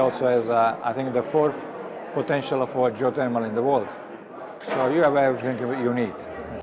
jadi anda harus memiliki sumber energi yang unik